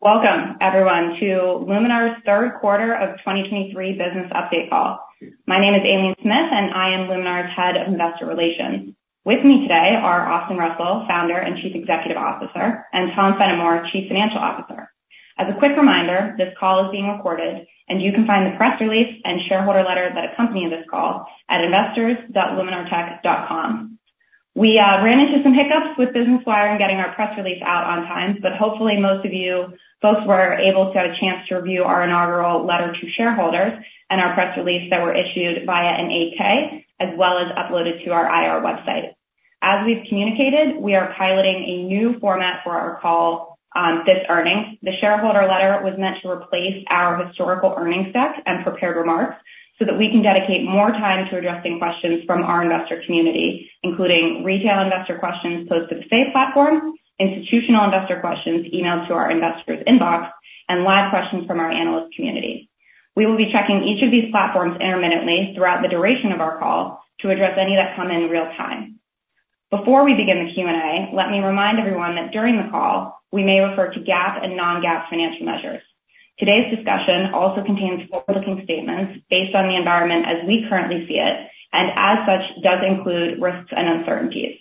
Welcome everyone to Luminar's third quarter of 2023 business update call. My name is Aileen Smith, and I am Luminar's Head of Investor Relations. With me today are Austin Russell, Founder and Chief Executive Officer, and Tom Fennimore, Chief Financial Officer. As a quick reminder, this call is being recorded, and you can find the press release and shareholder letter that accompany this call at investors.luminartech.com. We ran into some hiccups with Business Wire in getting our press release out on time, but hopefully, most of you both were able to have a chance to review our inaugural letter to shareholders and our press release that were issued via an 8-K, as well as uploaded to our IR website. As we've communicated, we are piloting a new format for our call on this earnings. The shareholder letter was meant to replace our historical earnings deck and prepared remarks, so that we can dedicate more time to addressing questions from our investor community, including retail investor questions posted to the Say platform, institutional investor questions emailed to our investors' inbox, and live questions from our analyst community. We will be checking each of these platforms intermittently throughout the duration of our call to address any that come in real time. Before we begin the Q&A, let me remind everyone that during the call, we may refer to GAAP and non-GAAP financial measures. Today's discussion also contains forward-looking statements based on the environment as we currently see it, and as such, does include risks and uncertainties.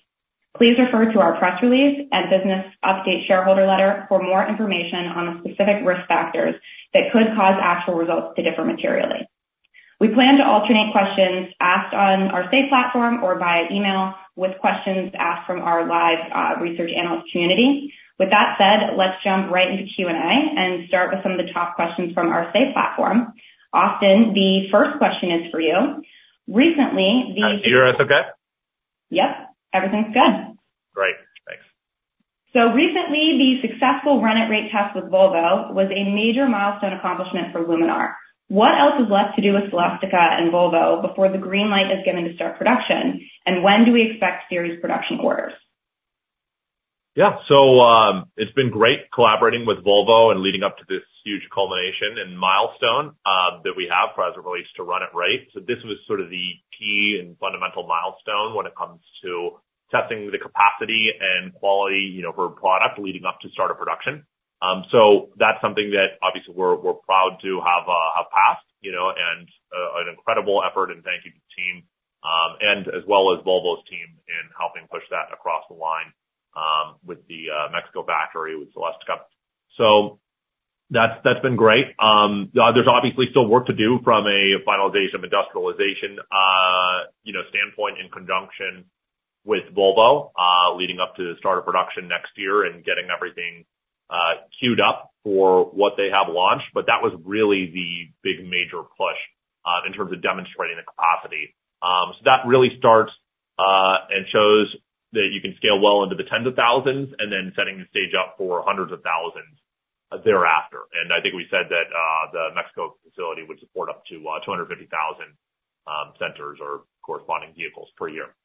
Please refer to our press release and business update shareholder letter for more information on the specific risk factors that could cause actual results to differ materially. We plan to alternate questions asked on our Say platform or via email with questions asked from our live research analyst community. With that said, let's jump right into Q&A and start with some of the top questions from our Say platform. Austin, the first question is for you. Recently, the- Can you hear us okay? Yep, everything's good. Great. Thanks. So recently, the successful Run-at-Rate test with Volvo was a major milestone accomplishment for Luminar. What else is left to do with Celestica and Volvo before the green light is given to start production? And when do we expect series production orders? Yeah. So, it's been great collaborating with Volvo and leading up to this huge culmination and milestone that we have for as it relates to Run-at-Rate. So this was sort of the key and fundamental milestone when it comes to testing the capacity and quality, you know, for product leading up to start of production. So that's something that obviously we're proud to have passed, you know, and an incredible effort, and thank you to the team and as well as Volvo's team in helping push that across the line with the Mexico factory with Celestica. So that's been great. There's obviously still work to do from a finalization of industrialization, you know, standpoint, in conjunction with Volvo, leading up to the start of production next year and getting everything queued up for what they have launched. But that was really the big major push in terms of demonstrating the capacity. So that really starts and shows that you can scale well into the tens of thousands and then setting the stage up for hundreds of thousands thereafter. And I think we said that the Mexico facility would support up to 250,000 sensors or corresponding vehicles per year.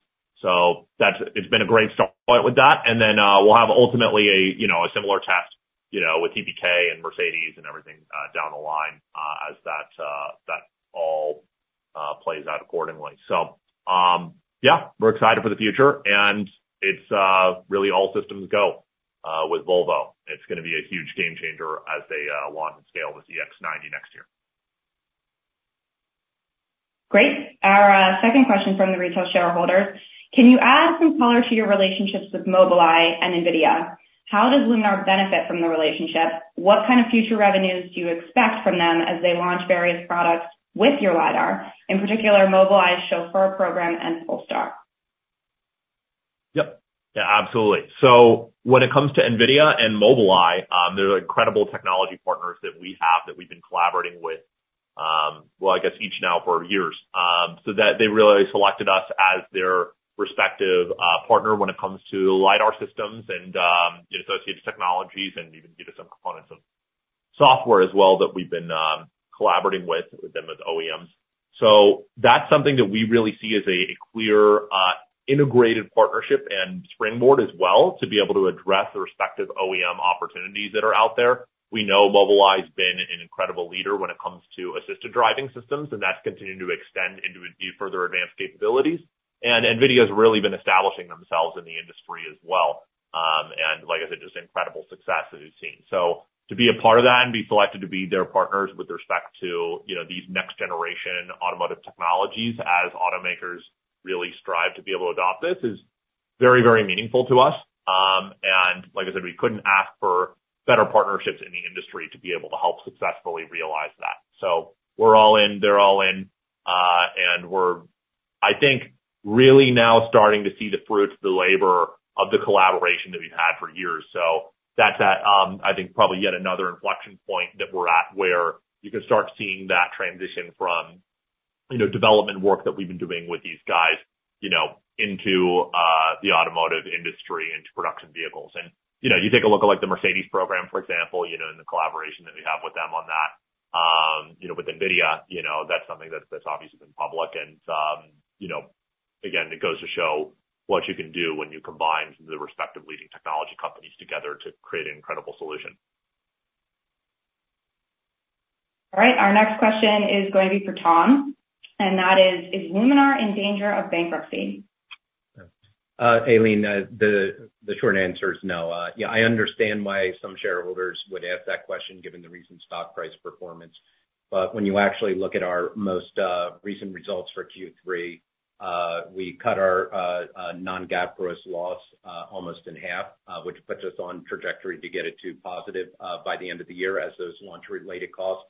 So that's. It's been a great start with that. And then, we'll have ultimately a, you know, a similar test, you know, with TPK and Mercedes and everything, down the line, as that, that all plays out accordingly. Yeah, we're excited for the future, and it's really all systems go with Volvo. It's gonna be a huge game changer as they launch and scale with the EX90 next year. Great. Our second question from the retail shareholders: Can you add some color to your relationships with Mobileye and NVIDIA? How does Luminar benefit from the relationship? What kind of future revenues do you expect from them as they launch various products with your LiDAR, in particular, Mobileye's Chauffeur program and Polestar? Yep. Yeah, absolutely. So when it comes to NVIDIA and Mobileye, they're incredible technology partners that we have, that we've been collaborating with, well, I guess each now for years. So that they really selected us as their respective, partner when it comes to LiDAR systems and, associated technologies and even due to some components of software as well, that we've been, collaborating with, with them as OEMs. So that's something that we really see as a, a clear, integrated partnership and springboard as well, to be able to address the respective OEM opportunities that are out there. We know Mobileye's been an incredible leader when it comes to assisted driving systems, and that's continuing to extend into further advanced capabilities. And NVIDIA's really been establishing themselves in the industry as well. And like I said, just incredible success that we've seen. So to be a part of that and be selected to be their partners with respect to, you know, these next generation automotive technologies, as automakers really strive to be able to adopt this, is very, very meaningful to us. And like I said, we couldn't ask for better partnerships in the industry to be able to help successfully realize that. So we're all in, they're all in, and we're, I think, really now starting to see the fruits of the labor of the collaboration that we've had for years. So that's, I think, probably yet another inflection point that we're at, where you can start seeing that transition from, you know, development work that we've been doing with these guys, you know, into the automotive industry, into production vehicles. You know, you take a look at, like, the Mercedes program, for example, you know, and the collaboration that we have with them on that. You know, with NVIDIA, you know, that's something that's, that's obviously been public. You know, again, it goes to show what you can do when you combine the respective leading technology companies together to create an incredible solution.... All right, our next question is going to be for Tom, and that is: Is Luminar in danger of bankruptcy? Aileen, the short answer is no. Yeah, I understand why some shareholders would ask that question, given the recent stock price performance. But when you actually look at our most recent results for Q3, we cut our non-GAAP gross loss almost in half, which puts us on trajectory to get it to positive by the end of the year, as those launch-related costs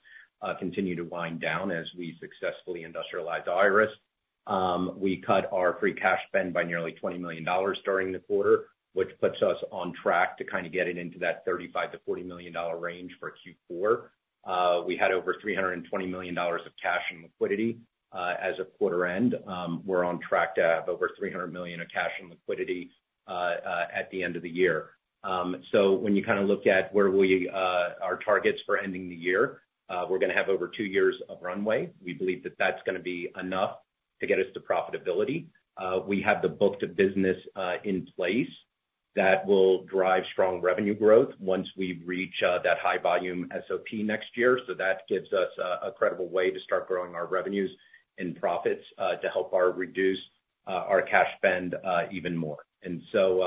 continue to wind down as we successfully industrialize Iris. We cut our free cash spend by nearly $20 million during the quarter, which puts us on track to kind of get it into that $35 million-$40 million range for Q4. We had over $320 million of cash and liquidity as of quarter end. We're on track to have over $300 million of cash and liquidity at the end of the year. So when you kind of look at where our targets for ending the year, we're gonna have over two years of runway. We believe that that's gonna be enough to get us to profitability. We have the book of business in place that will drive strong revenue growth once we reach that high volume SOP next year. So that gives us a credible way to start growing our revenues and profits to help reduce our cash spend even more. And so,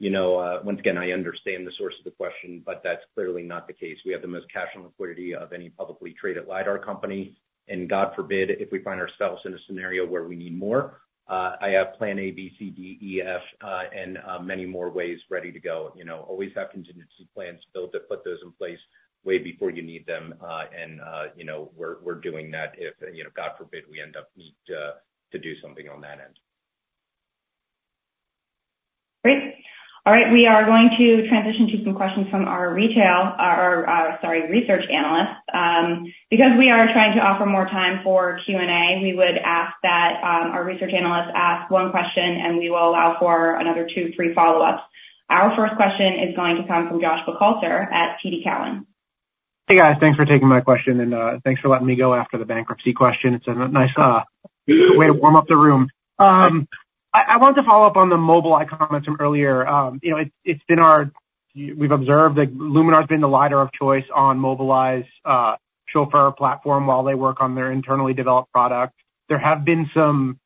you know, once again, I understand the source of the question, but that's clearly not the case. We have the most cash and liquidity of any publicly traded LiDAR company, and God forbid, if we find ourselves in a scenario where we need more, I have plan A, B, C, D, E, F, and many more ways ready to go. You know, always have contingency plans built to put those in place way before you need them. You know, we're doing that if, you know, God forbid, we end up needing to do something on that end. Great. All right, we are going to transition to some questions from our retail, or sorry, research analysts. Because we are trying to offer more time for Q&A, we would ask that our research analysts ask one question, and we will allow for another two, three follow-ups. Our first question is going to come from Josh Buchalter at TD Cowen. Hey, guys. Thanks for taking my question, and thanks for letting me go after the bankruptcy question. It's a nice way to warm up the room. I want to follow up on the Mobileye comments from earlier. You know, it's been our... We've observed that Luminar's been the LiDAR of choice on Mobileye's Chauffeur platform while they work on their internally developed product. There have been some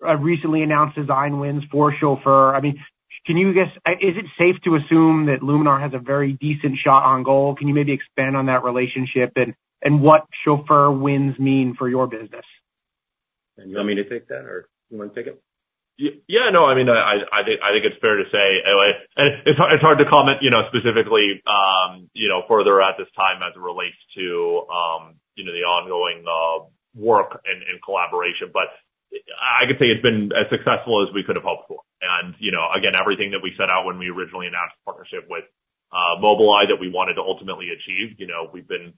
recently announced design wins for Chauffeur. I mean, can you guess is it safe to assume that Luminar has a very decent shot on goal? Can you maybe expand on that relationship, and what Chauffeur wins mean for your business? You want me to take that, or you wanna take it? Yeah, no, I mean, I think it's fair to say, like, it's hard to comment, you know, specifically, you know, further at this time as it relates to, you know, the ongoing work and collaboration. But I could say it's been as successful as we could have hoped for. And, you know, again, everything that we set out when we originally announced partnership with Mobileye, that we wanted to ultimately achieve, you know, we've been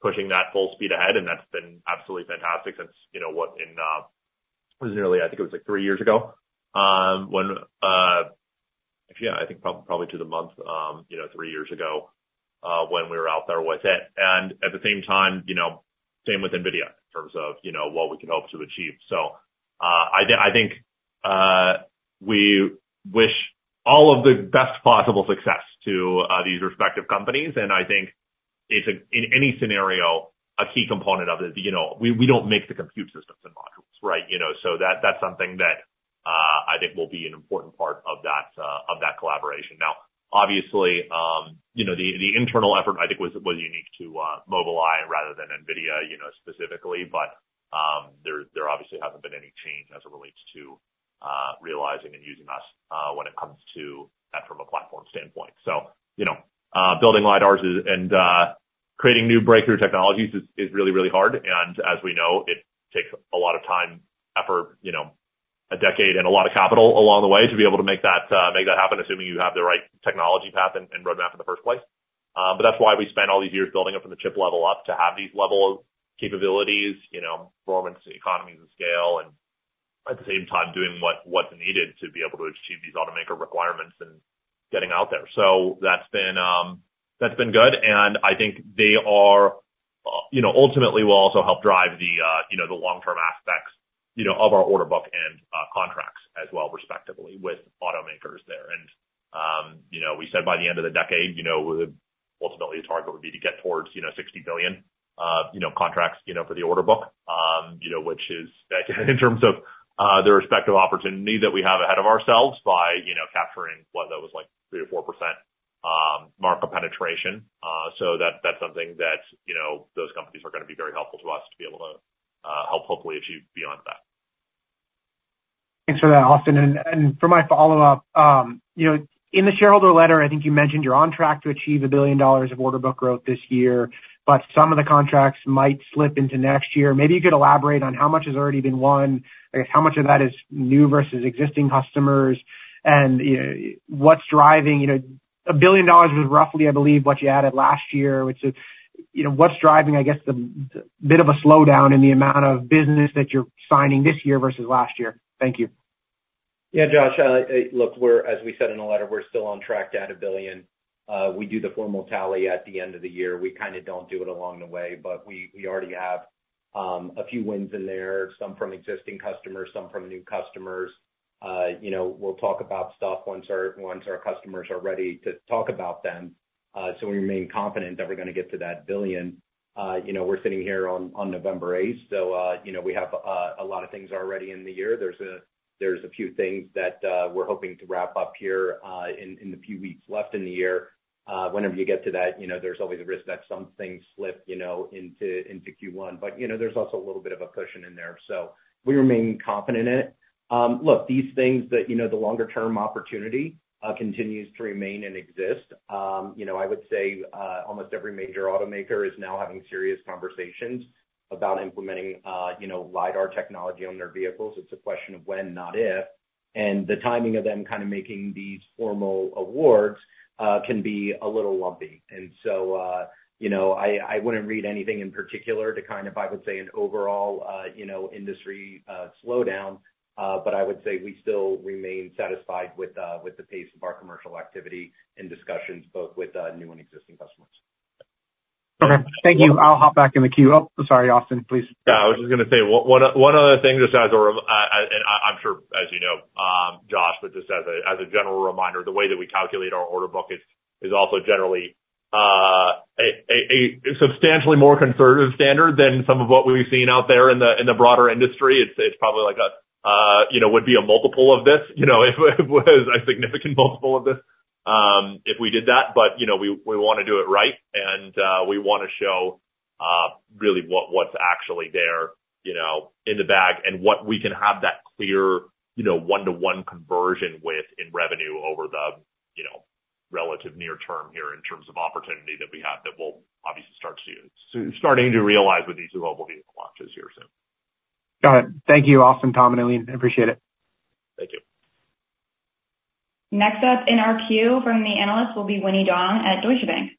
pushing that full speed ahead, and that's been absolutely fantastic since, you know what, it was nearly I think it was, like, three years ago, when, yeah, I think probably to the month, you know, three years ago, when we were out there with it. At the same time, you know, same with NVIDIA, in terms of, you know, what we can hope to achieve. So, I then, I think, we wish all of the best possible success to, these respective companies, and I think if in any scenario, a key component of it, you know, we, we don't make the compute systems and modules, right? You know, so that, that's something that, I think will be an important part of that, of that collaboration. Now, obviously, you know, the, the internal effort I think was, was unique to, Mobileye rather than NVIDIA, you know, specifically, but, there, there obviously hasn't been any change as it relates to, realizing and using us, when it comes to that from a platform standpoint. So, you know, building LiDARs is, and creating new breakthrough technologies is really, really hard. And as we know, it takes a lot of time, effort, you know, a decade, and a lot of capital along the way to be able to make that happen, assuming you have the right technology path and roadmap in the first place. But that's why we spent all these years building it from the chip level up, to have these level of capabilities, you know, performance, economies of scale, and at the same time, doing what's needed to be able to achieve these automaker requirements and getting out there. So that's been good, and I think they are, you know, ultimately will also help drive the, you know, the long-term aspects, you know, of our order book and, contracts as well, respectively, with automakers there. You know, we said by the end of the decade, you know, ultimately the target would be to get towards, you know, $60 billion, you know, contracts, you know, for the order book. You know, which is, in terms of, the respective opportunity that we have ahead of ourselves by, you know, capturing what that was like 3%-4% market penetration. So that's something that, you know, those companies are gonna be very helpful to us to be able to, help hopefully achieve beyond that. Thanks for that, Austin. And for my follow-up, you know, in the shareholder letter, I think you mentioned you're on track to achieve $1 billion of order book growth this year, but some of the contracts might slip into next year. Maybe you could elaborate on how much has already been won, I guess, how much of that is new versus existing customers, and what's driving... You know, $1 billion was roughly, I believe, what you added last year, which is, you know, what's driving, I guess, the bit of a slowdown in the amount of business that you're signing this year versus last year? Thank you. Yeah, Josh, look, we're as we said in the letter, we're still on track to add $1 billion. We do the formal tally at the end of the year. We kind of don't do it along the way, but we already have a few wins in there, some from existing customers, some from new customers. You know, we'll talk about stuff once our customers are ready to talk about them. So we remain confident that we're gonna get to that $1 billion. You know, we're sitting here on November 8th, so, you know, we have a lot of things already in the year. There's a few things that we're hoping to wrap up here, in the few weeks left in the year. Whenever you get to that, you know, there's always a risk that some things slip, you know, into, into Q1. But, you know, there's also a little bit of a cushion in there, so we remain confident in it. Look, these things that, you know, the longer term opportunity continues to remain and exist. You know, I would say, almost every major automaker is now having serious conversations about implementing, you know, LiDAR technology on their vehicles. It's a question of when, not if, and the timing of them kind of making these formal awards can be a little lumpy. And so, you know, I, I wouldn't read anything in particular to kind of, I would say, an overall, you know, industry slowdown. But I would say we still remain satisfied with the pace of our commercial activity and discussions, both with new and existing customers. Okay, thank you. I'll hop back in the queue. Oh, sorry, Austin, please. Yeah, I was just gonna say, one other thing, just as a reminder, and I'm sure, as you know, Josh, but just as a general reminder, the way that we calculate our order book is also generally a substantially more conservative standard than some of what we've seen out there in the broader industry. It's probably like a, you know, would be a multiple of this, you know, it was a significant multiple of this, if we did that. But, you know, we wanna do it right, and we wanna show really what's actually there, you know, in the bag, and what we can have that clear, you know, one-to-one conversion with in revenue over the, you know, relative near term here in terms of opportunity that we have, that we'll obviously start to see. Starting to realize with these Volvo vehicle launches here soon. Got it. Thank you, Austin, Tom, and Aileen, appreciate it. Thank you. Next up in our queue from the analysts will be Winnie Dong at Deutsche Bank.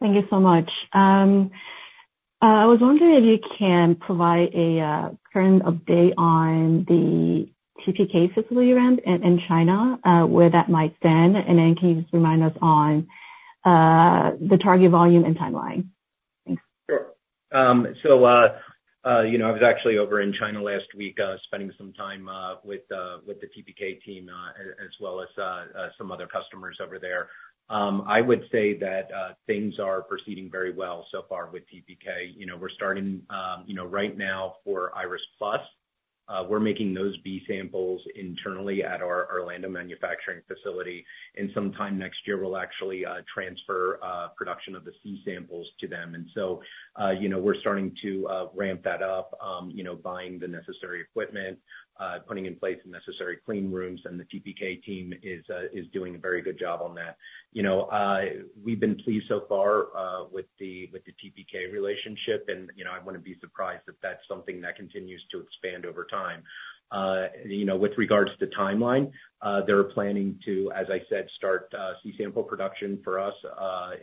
Thank you so much. I was wondering if you can provide a current update on the TPK facility ramp in China, where that might stand, and then can you just remind us on the target volume and timeline? Thanks. Sure. So, you know, I was actually over in China last week, spending some time with the TPK team, as well as some other customers over there. I would say that things are proceeding very well so far with TPK. You know, we're starting, you know, right now for Iris+. We're making those B samples internally at our Orlando manufacturing facility, and sometime next year, we'll actually transfer production of the C samples to them. And so, you know, we're starting to ramp that up, you know, buying the necessary equipment, putting in place the necessary clean rooms, and the TPK team is doing a very good job on that. You know, we've been pleased so far with the TPK relationship and, you know, I wouldn't be surprised if that's something that continues to expand over time. You know, with regards to timeline, they're planning to, as I said, start C sample production for us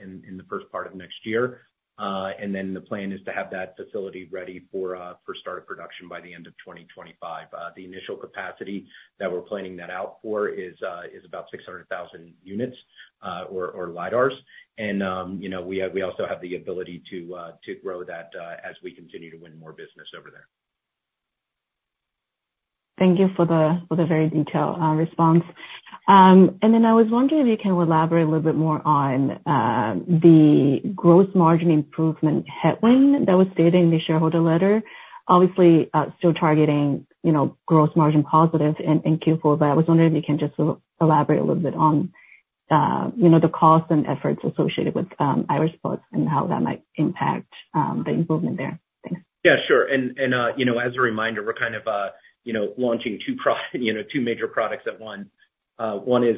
in the first part of next year. And then the plan is to have that facility ready for start of production by the end of 2025. The initial capacity that we're planning that out for is about 600,000 units or LiDARs. And, you know, we also have the ability to grow that as we continue to win more business over there. Thank you for the, for the very detailed, response. And then I was wondering if you can elaborate a little bit more on, the growth margin improvement headwind that was stated in the shareholder letter. Obviously, still targeting, you know, gross margin positive in, in Q4, but I was wondering if you can just elaborate a little bit on, you know, the costs and efforts associated with, Iris+ and how that might impact, the improvement there. Thanks. Yeah, sure. And you know, as a reminder, we're kind of you know, launching two you know, two major products at once. One is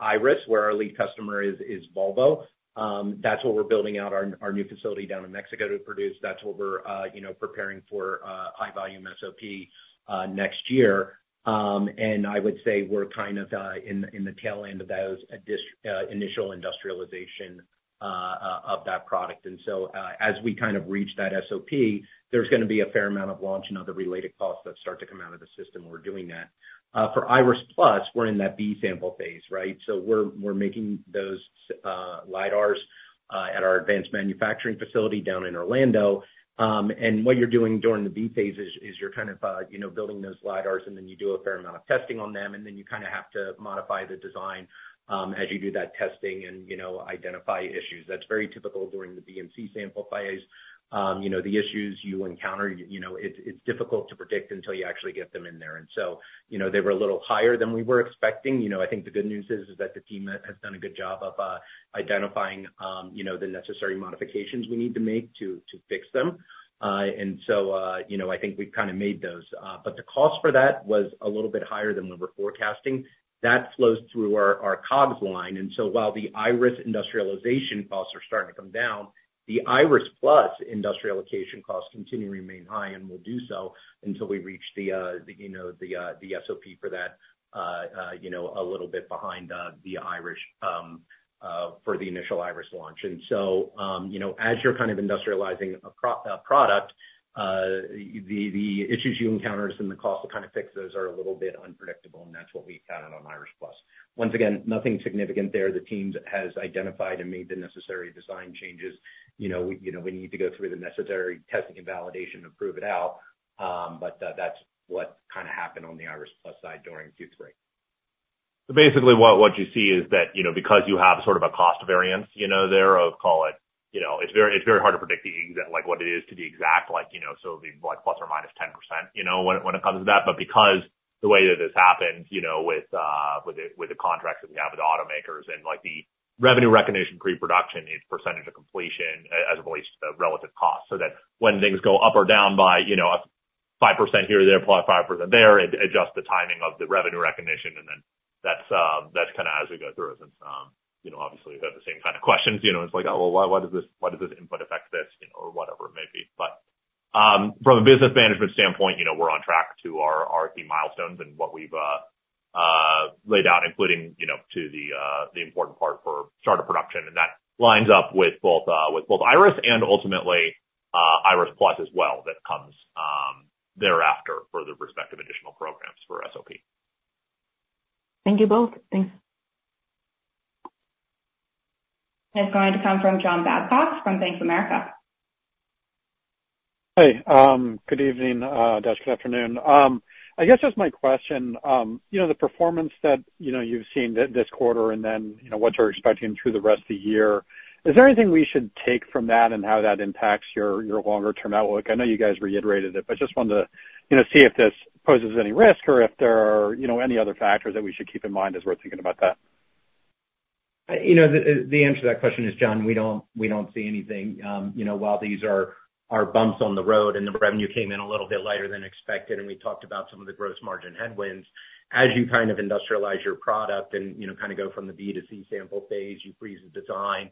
Iris, where our lead customer is Volvo. That's what we're building out our new facility down in Mexico to produce. That's what we're you know, preparing for high volume SOP next year. And I would say we're kind of in the tail end of those initial industrialization of that product. And so, as we kind of reach that SOP, there's gonna be a fair amount of launch and other related costs that start to come out of the system when we're doing that. For Iris+, we're in that B sample phase, right? So we're making those LiDARs at our advanced manufacturing facility down in Orlando. And what you're doing during the B phase is you're kind of you know building those LiDARs, and then you do a fair amount of testing on them, and then you kind of have to modify the design as you do that testing and you know identify issues. That's very typical during the B and C sample phase. You know the issues you encounter you know it's difficult to predict until you actually get them in there. And so you know they were a little higher than we were expecting. You know I think the good news is that the team has done a good job of identifying you know the necessary modifications we need to make to fix them. And so, you know, I think we've kind of made those, but the cost for that was a little bit higher than we were forecasting. That flows through our COGS line, and so while the Iris industrialization costs are starting to come down, the Iris+ industrialization costs continue to remain high and will do so until we reach the, you know, the SOP for that, you know, a little bit behind the Iris, for the initial Iris launch. And so, you know, as you're kind of industrializing a product, the issues you encounter and the cost to kind of fix those are a little bit unpredictable, and that's what we've found on Iris+. Once again, nothing significant there. The teams has identified and made the necessary design changes. You know, we need to go through the necessary testing and validation to prove it out. But that's what kind of happened on the Iris+ side during Q3. So basically, what you see is that, you know, because you have sort of a cost variance, you know, there of call it, you know, it's very hard to predict the exact like, what it is to the exact like, you know, so it'll be like ±10%, you know, when it comes to that. But because the way that this happens, you know, with the contracts that we have with the automakers and like the revenue recognition, pre-production, it's percentage of completion as opposed to the relative cost. So that when things go up or down by, you know, 5% here or there, plus 5% there, it adjusts the timing of the revenue recognition, and then that's kind of as we go through. And, you know, obviously, we have the same kind of questions, you know, it's like, "Oh, well, why, why does this, why does this input affect this?" You know, or whatever it may be. But, from a business management standpoint, you know, we're on track to our, our key milestones and what we've laid out, including, you know, to the important part for start of production. And that lines up with both, with both Iris and ultimately, Iris+ as well, that comes thereafter for the respective additional programs for SOP. Thank you both. Thanks. It's going to come from John Babcock from Bank of America. Hey, good evening -- good afternoon. I guess just my question, you know, the performance that, you know, you've seen this quarter, and then, you know, what you're expecting through the rest of the year, is there anything we should take from that and how that impacts your, your longer term outlook? I know you guys reiterated it, but just wanted to, you know, see if this poses any risk or if there are, you know, any other factors that we should keep in mind as we're thinking about that. You know, the answer to that question is, John, we don't see anything. You know, while these are bumps on the road and the revenue came in a little bit lighter than expected, and we talked about some of the gross margin headwinds, as you kind of industrialize your product and, you know, kind of go from the B sample to C sample phase, you freeze the design,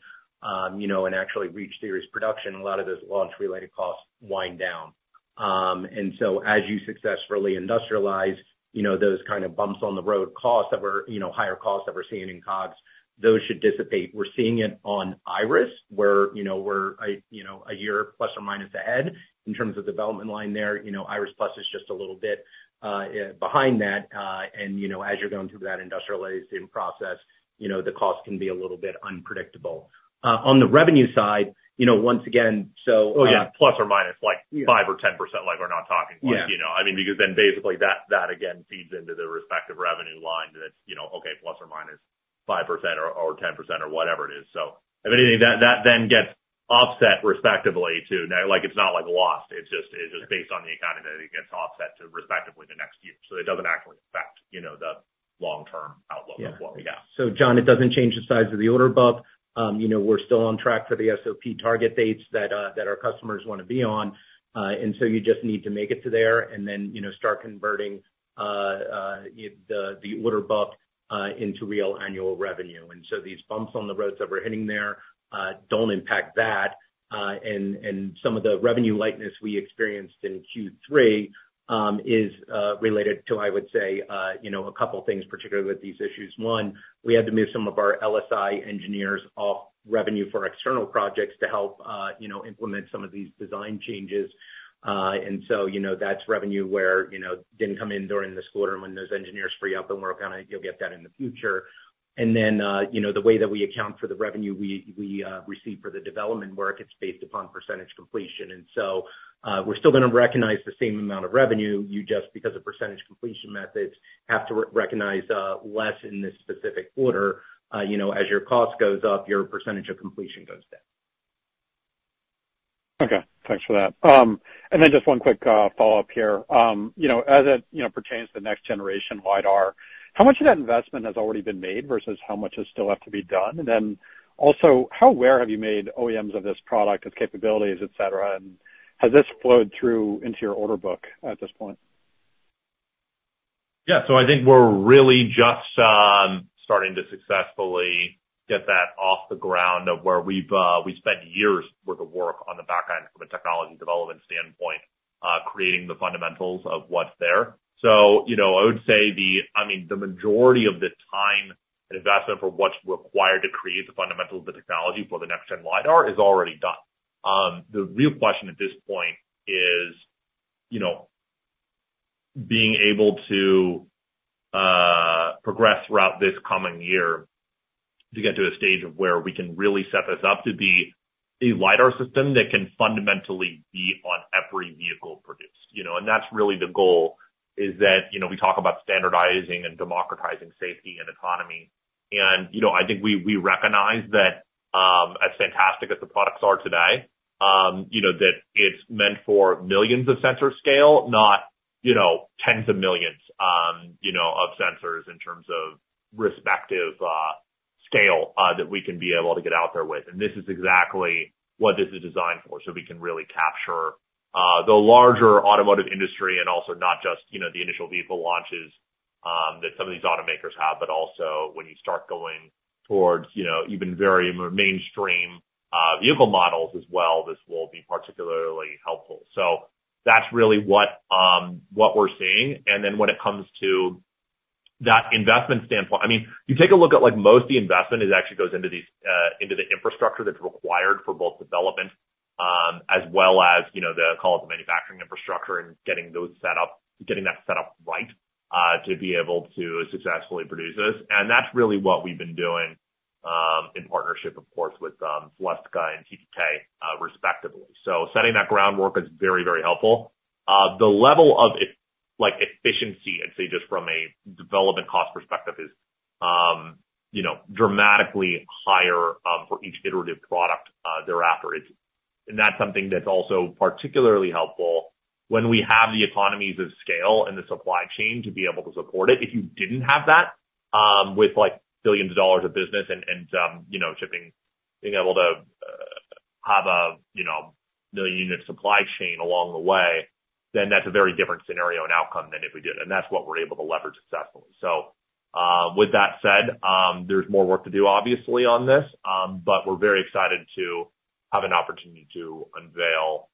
you know, and actually reach series production, a lot of those launch-related costs wind down. And so as you successfully industrialize, you know, those kind of bumps on the road costs that were, you know, higher costs that we're seeing in COGS, those should dissipate. We're seeing it on Iris, where, you know, we're a year plus or minus ahead in terms of development line there. You know, Iris+ is just a little bit behind that. You know, as you're going through that industrializing process, you know, the cost can be a little bit unpredictable. On the revenue side, you know, once again, so, Oh, yeah, ± like 5% or 10%, like we're not talking much- Yeah. You know, I mean, because then basically, that, that again, feeds into the respective revenue line that's, you know, okay, ±5% or 10% or whatever it is. So if anything, that, that then gets offset respectively to... Like, it's not like a loss, it's just, it's just based on the economy that it gets offset to respectively the next year. So it doesn't actually affect, you know, the long term outlook of what we got. So John, it doesn't change the size of the order book. You know, we're still on track for the SOP target dates that our customers wanna be on. And so you just need to make it to there and then, you know, start converting the order book into real annual revenue. And so these bumps on the roads that we're hitting there don't impact that. And some of the revenue lightness we experienced in Q3 is related to, I would say, you know, a couple things, particularly with these issues. One, we had to move some of our LSI engineers off revenue for external projects to help, you know, implement some of these design changes. And so, you know, that's revenue where, you know, didn't come in during this quarter, when those engineers free up and work on it, you'll get that in the future. And then, you know, the way that we account for the revenue we receive for the development work, it's based upon percentage completion. And so, we're still gonna recognize the same amount of revenue. You just, because of percentage completion methods, have to recognize less in this specific quarter. You know, as your cost goes up, your percentage of completion goes down. Okay, thanks for that. And then just one quick follow-up here. You know, as it, you know, pertains to the next generation LiDAR, how much of that investment has already been made versus how much is still left to be done? And then also, how aware have you made OEMs of this product, its capabilities, et cetera, and has this flowed through into your order book at this point? Yeah, so I think we're really just starting to successfully get that off the ground of where we've spent years worth of work on the back end from a technology development standpoint creating the fundamentals of what's there. So, you know, I would say I mean, the majority of the time and investment for what's required to create the fundamentals of the technology for the next-gen LiDAR is already done. The real question at this point is, you know, being able to progress throughout this coming year to get to a stage of where we can really set this up to be a LiDAR system that can fundamentally be on every vehicle produced. You know, and that's really the goal, is that, you know, we talk about standardizing and democratizing safety and autonomy. You know, I think we recognize that as fantastic as the products are today, you know, that it's meant for millions of sensor scale, not, you know, tens of millions, you know, of sensors in terms of respective scale that we can be able to get out there with. And this is exactly what this is designed for, so we can really capture the larger automotive industry and also not just, you know, the initial vehicle launches that some of these automakers have, but also when you start going towards, you know, even very mainstream vehicle models as well, this will be particularly helpful. So that's really what we're seeing. And then when it comes to-... that investment standpoint, I mean, you take a look at, like, most of the investment is actually goes into these, into the infrastructure that's required for both development, as well as, you know, the, call it, the manufacturing infrastructure and getting those set up, getting that set up right, to be able to successfully produce this. And that's really what we've been doing, in partnership, of course, with Celestica and TPK, respectively. So setting that groundwork is very, very helpful. The level of efficiency, I'd say just from a development cost perspective is, you know, dramatically higher, for each iterative product, thereafter. It's and that's something that's also particularly helpful when we have the economies of scale and the supply chain to be able to support it. If you didn't have that, with, like, billions of dollars of business and you know shipping, being able to have a you know 1,000,000-unit supply chain along the way, then that's a very different scenario and outcome than if we did, and that's what we're able to leverage successfully. So with that said, there's more work to do, obviously, on this, but we're very excited to have an opportunity to unveil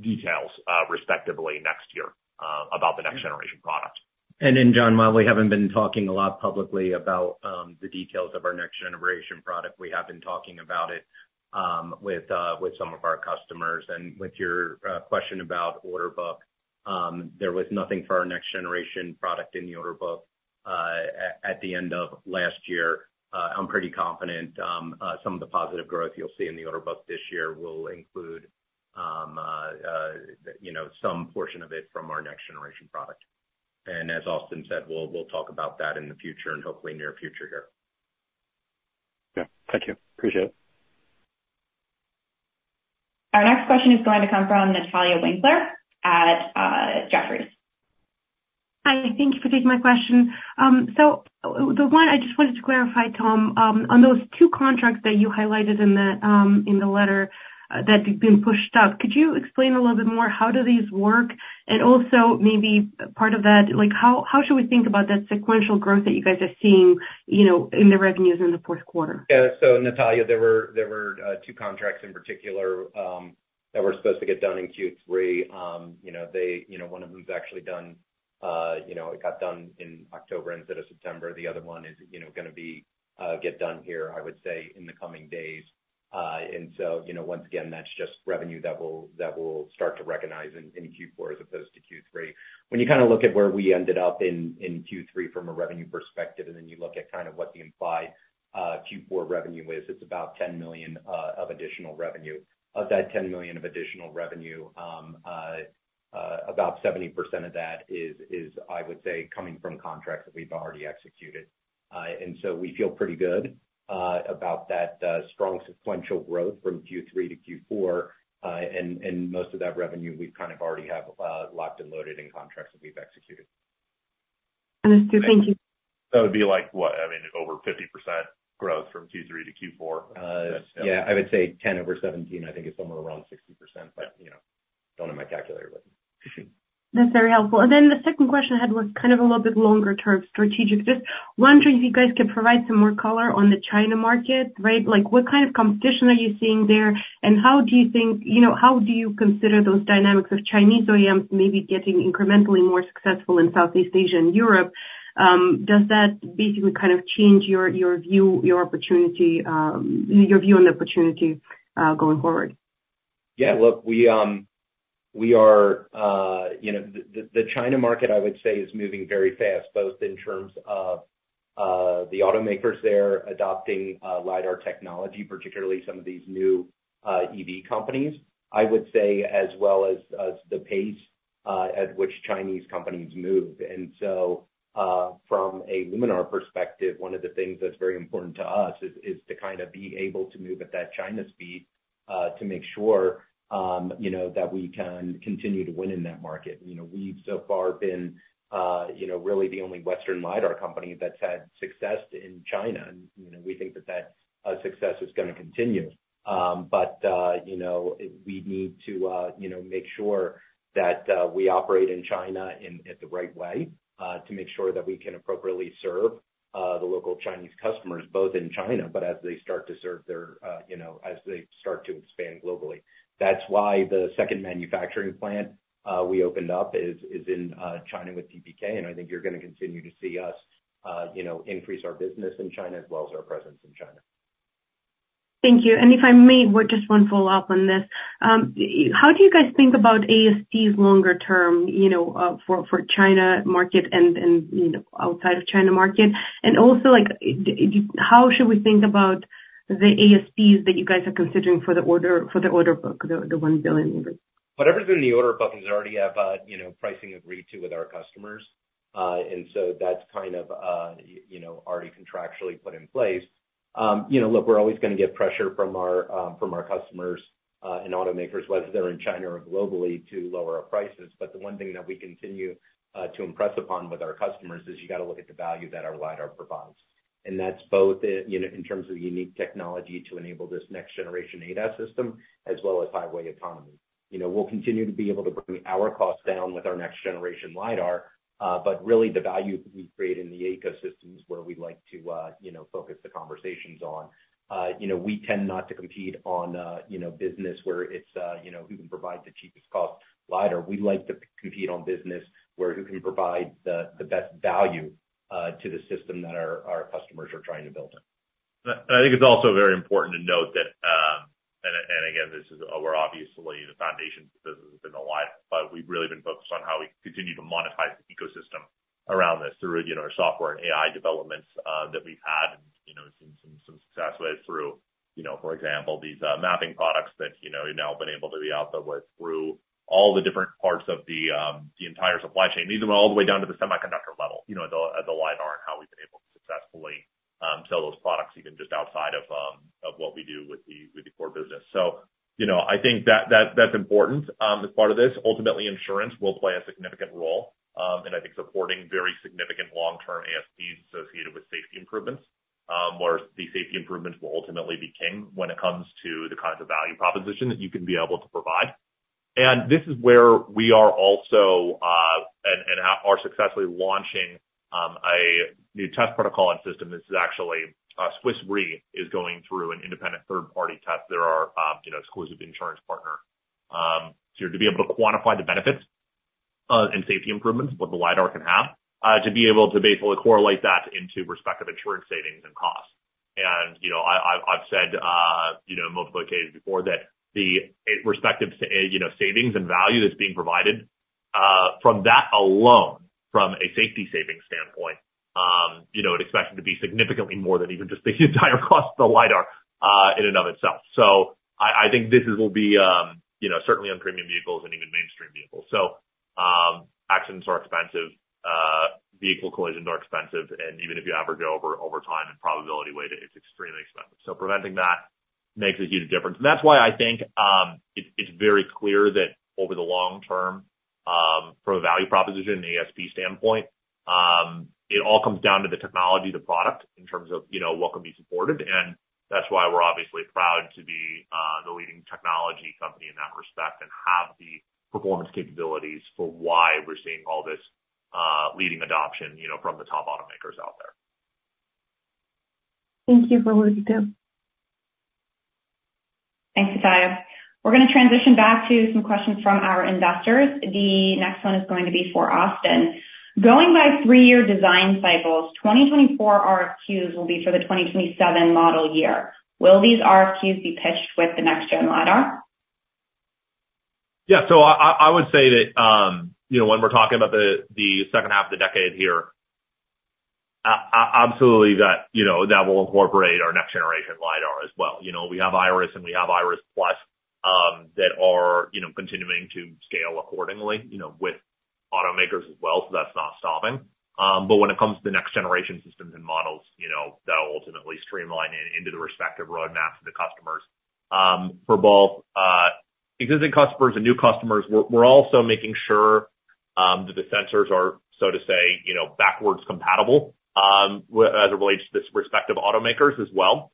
details respectively next year about the next generation product. Then, John, while we haven't been talking a lot publicly about the details of our next generation product, we have been talking about it with some of our customers. With your question about order book, there was nothing for our next generation product in the order book at the end of last year. I'm pretty confident some of the positive growth you'll see in the order book this year will include you know some portion of it from our next generation product. As Austin said, we'll talk about that in the future and hopefully near future here. Yeah. Thank you. Appreciate it. Our next question is going to come from Natalia Winkler at Jefferies. Hi, thank you for taking my question. So the one I just wanted to clarify, Tom, on those two contracts that you highlighted in the, in the letter that had been pushed up, could you explain a little bit more, how do these work? And also maybe part of that, like, how should we think about that sequential growth that you guys are seeing, you know, in the revenues in the fourth quarter? Yeah. So Natalia, there were two contracts in particular that were supposed to get done in Q3. You know, they, you know, one of them is actually done, you know, it got done in October instead of September. The other one is, you know, gonna be get done here, I would say, in the coming days. And so, you know, once again, that's just revenue that we'll start to recognize in Q4 as opposed to Q3. When you kind of look at where we ended up in Q3 from a revenue perspective, and then you look at kind of what the implied Q4 revenue is, it's about $10 million of additional revenue. Of that $10 million of additional revenue, about 70% of that is, I would say, coming from contracts that we've already executed. And so we feel pretty good about that strong sequential growth from Q3 to Q4. And most of that revenue, we kind of already have locked and loaded in contracts that we've executed. Understood. Thank you. That would be like, what? I mean, over 50% growth from Q3 to Q4. Yeah, I would say 10/17, I think it's somewhere around 60%, but, you know, don't have my calculator with me. That's very helpful. Then the second question I had was kind of a little bit longer term strategic. Just wondering if you guys could provide some more color on the China market, right? Like, what kind of competition are you seeing there, and how do you think, you know, how do you consider those dynamics of Chinese OEMs maybe getting incrementally more successful in Southeast Asia and Europe? Does that basically kind of change your view on the opportunity going forward? Yeah, look, we are, you know, the China market, I would say, is moving very fast, both in terms of, the automakers there adopting, LiDAR technology, particularly some of these new, EV companies, I would say, as well as, as the pace, at which Chinese companies move. And so, from a Luminar perspective, one of the things that's very important to us is to kind of be able to move at that China speed, to make sure, you know, that we can continue to win in that market. You know, we've so far been, you know, really the only Western LiDAR company that's had success in China, and, you know, we think that that success is gonna continue. You know, we need to, you know, make sure that we operate in China in the right way to make sure that we can appropriately serve the local Chinese customers, both in China, but as they start to serve their, you know, as they start to expand globally. That's why the second manufacturing plant we opened up is in China with TPK, and I think you're gonna continue to see us, you know, increase our business in China as well as our presence in China. Thank you. And if I may, well, just one follow-up on this. How do you guys think about ASPs longer term, you know, for, for China market and, and outside of China market? And also, like, how should we think about the ASPs that you guys are considering for the order, for the order book, the, the $1 billion order? Whatever's in the order book is already at, you know, pricing agreed to with our customers. And so that's kind of, you know, already contractually put in place. You know, look, we're always gonna get pressure from our, from our customers, and automakers, whether they're in China or globally, to lower our prices. But the one thing that we continue to impress upon with our customers is you gotta look at the value that our LiDAR provides. And that's both in, you know, in terms of unique technology to enable this next generation ADAS system, as well as Highway Autonomy. You know, we'll continue to be able to bring our costs down with our next generation LiDAR, but really, the value that we create in the ecosystems where we'd like to, you know, focus the conversations on. You know, we tend not to compete on, you know, business where it's, you know, who can provide the cheapest cost LiDAR. We like to compete on business where who can provide the best value to the system that our customers are trying to build in.... I think it's also very important to note that, and again, this is, we're obviously the foundation business has been alive, but we've really been focused on how we continue to monetize the ecosystem around this through, you know, our software and AI developments that we've had, you know, seen some success with, through, you know, for example, these mapping products that, you know, we've now been able to be out there with, through all the different parts of the entire supply chain. These are all the way down to the semiconductor level, you know, the LiDAR and how we've been able to successfully sell those products even just outside of what we do with the core business. So, you know, I think that, that's important as part of this. Ultimately, insurance will play a significant role, in I think supporting very significant long-term ASPs associated with safety improvements, where the safety improvements will ultimately be king when it comes to the kinds of value proposition that you can be able to provide. And this is where we are also, and, and are successfully launching, a new test protocol and system. This is actually, Swiss Re is going through an independent third-party test. They're our, you know, exclusive insurance partner. So to be able to quantify the benefits, and safety improvements, what the LiDAR can have, to be able to basically correlate that into respective insurance savings and costs. And, you know, I've said, you know, multiple occasions before that the respective savings and value that's being provided, from that alone, from a safety savings standpoint, you know, it expected to be significantly more than even just the entire cost of the LiDAR, in and of itself. So I think this will be, you know, certainly on premium vehicles and even mainstream vehicles. So, accidents are expensive, vehicle collisions are expensive, and even if you average over time and probability weight, it's extremely expensive. So preventing that makes a huge difference. And that's why I think, it's very clear that over the long term, from a value proposition, the ASP standpoint, it all comes down to the technology of the product in terms of, you know, what can be supported. That's why we're obviously proud to be the leading technology company in that respect and have the performance capabilities for why we're seeing all this leading adoption, you know, from the top automakers out there. Thank you for alluding to. Thanks, Natalia. We're gonna transition back to some questions from our investors. The next one is going to be for Austin. Going by three-year design cycles, 2024 RFQs will be for the 2027 model year. Will these RFQs be pitched with the next-gen LiDAR? Yeah. So I would say that, you know, when we're talking about the second half of the decade here, absolutely, that, you know, that will incorporate our next generation LiDAR as well. You know, we have Iris and we have Iris+, that are, you know, continuing to scale accordingly, you know, with automakers as well, so that's not stopping. But when it comes to the next generation systems and models, you know, that'll ultimately streamline in, into the respective roadmaps of the customers. For both existing customers and new customers, we're also making sure that the sensors are, so to say, you know, backwards compatible, as it relates to this respective automakers as well,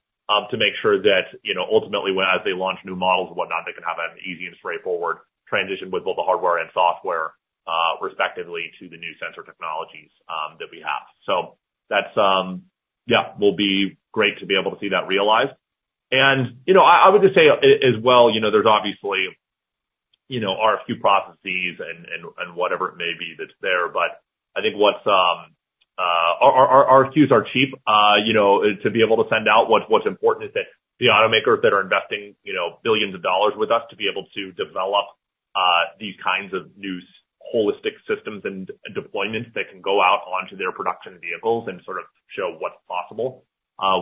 to make sure that, you know, ultimately, when as they launch new models and whatnot, they can have an easy and straightforward transition with both the hardware and software, respectively, to the new sensor technologies that we have. So that's, yeah, will be great to be able to see that realized. And, you know, I would just say as well, you know, there's obviously, you know, RFQ processes and, and, and whatever it may be, that's there. But I think what's our RFQs are cheap, you know, to be able to send out. What's important is that the automakers that are investing, you know, billions of dollars with us to be able to develop these kinds of new holistic systems and deployments that can go out onto their production vehicles and sort of show what's possible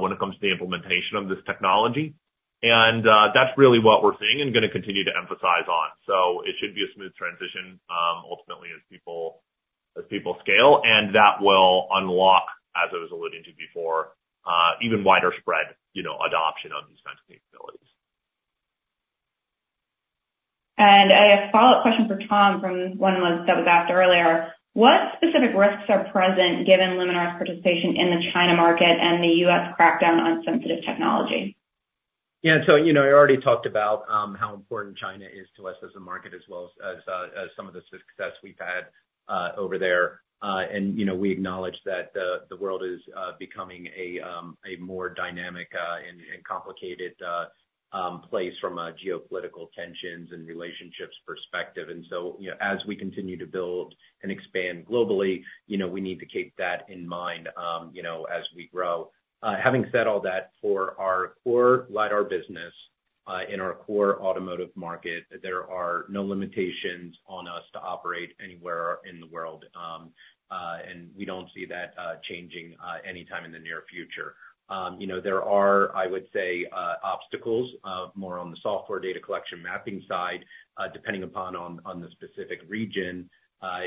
when it comes to the implementation of this technology. And that's really what we're seeing and gonna continue to emphasize on. So it should be a smooth transition, ultimately, as people scale, and that will unlock, as I was alluding to before, even wider spread, you know, adoption of these kinds of capabilities. A follow-up question for Tom from one that was asked earlier, what specific risks are present given Luminar's participation in the China market and the U.S. crackdown on sensitive technology? Yeah. So, you know, I already talked about how important China is to us as a market, as well as some of the success we've had over there. And, you know, we acknowledge that the world is becoming a more dynamic and complicated place from a geopolitical tensions and relationships perspective. And so, you know, as we continue to build and expand globally, you know, we need to keep that in mind, you know, as we grow. Having said all that, for our core LiDAR business in our core automotive market, there are no limitations on us to operate anywhere in the world. And we don't see that changing anytime in the near future. You know, there are, I would say, obstacles, more on the software data collection mapping side, depending upon, on, on the specific region,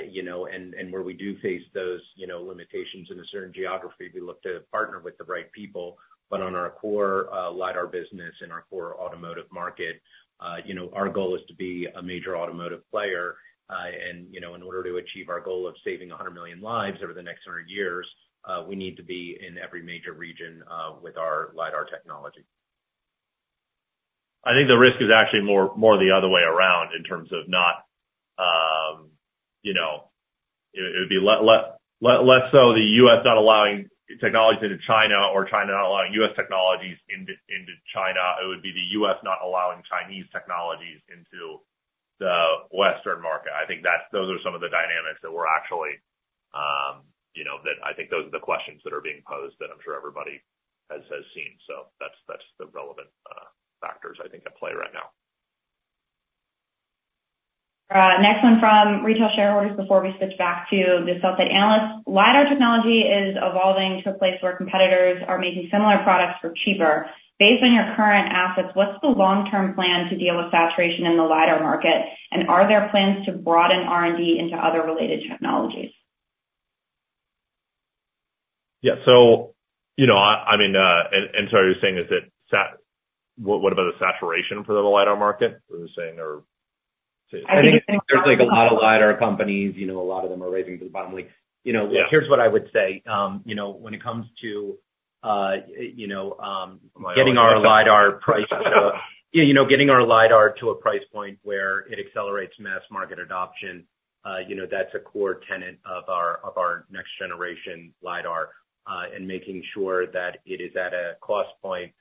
you know, and, and where we do face those, you know, limitations in a certain geography, we look to partner with the right people. But on our core, LiDAR business and our core automotive market, you know, our goal is to be a major automotive player. And, you know, in order to achieve our goal of saving 100 million lives over the next 100 years, we need to be in every major region, with our LiDAR technology. I think the risk is actually more the other way around in terms of not, you know, it would be less so the U.S. not allowing technologies into China or China not allowing U.S. technologies into China, it would be the U.S. not allowing Chinese technologies into the Western market. I think that's those are some of the dynamics that we're actually, you know, that I think those are the questions that are being posed, and I'm sure everybody has seen. So that's the relevant factors I think at play right now. Next one from retail shareholders before we switch back to the sell-side analysts. LiDAR technology is evolving to a place where competitors are making similar products for cheaper. Based on your current assets, what's the long-term plan to deal with saturation in the LiDAR market? And are there plans to broaden R&D into other related technologies? Yeah. So, you know, I mean, and so you're saying is that sat-- What, what about the saturation for the LiDAR market? Or you're saying are- I think- There's, like, a lot of LiDAR companies, you know, a lot of them are racing to the bottom, like, you know- Yeah. Here's what I would say. You know, when it comes to, you know, getting our LiDAR price, you know, getting our LiDAR to a price point where it accelerates mass market adoption, you know, that's a core tenet of our, of our next generation LiDAR, and making sure that it is at a cost point,